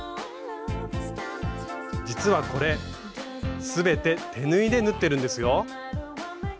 実はこれ全て手縫いで縫ってるんですよ。